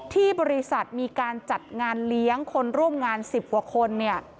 ที่บริษัทมีการจัดงานเลี้ยงคนร่วมงาน๑๐กว่าคนเนี่ย